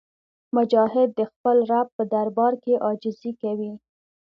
مجاهد د خپل رب په دربار کې عاجزي کوي.